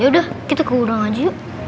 yaudah kita ke gudang aja yuk